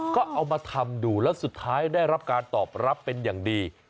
ก็เอามาทำดูแล้วสุดท้ายได้รับการตอบรับเป็นอย่างดี